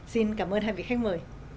xin cảm ơn hai vị khách mời